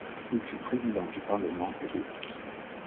Il fut président du Parlement hellénique.